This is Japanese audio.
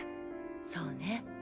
そうね。